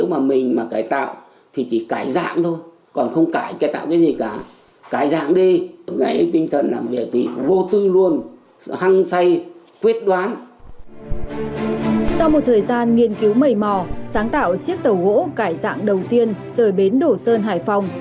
sau một thời gian nghiên cứu mầy mò sáng tạo chiếc tàu gỗ cải dạng đầu tiên rời bến đổ sơn hải phòng